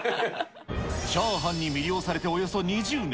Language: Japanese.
チャーハンに魅了されておよそ２０年。